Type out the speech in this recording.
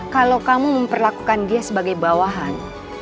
kalau kamu memperlakukan dia sebagai bawahan